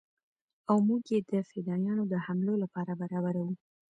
او موږ يې د فدايانو د حملو لپاره برابرو.